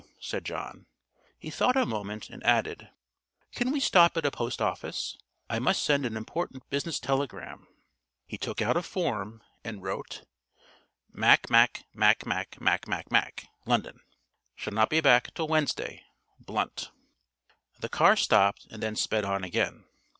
said John. He thought a moment, and added, "Can we stop at a post office? I must send an important business telegram." He took out a form and wrote "Macmacmacmacmac, London. Shall not be back till Wednesday. Blunt." The car stopped and then sped on again.